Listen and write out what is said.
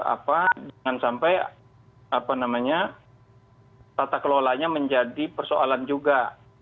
apa dengan sampai apa namanya tata kelolanya menjadi persoalan juga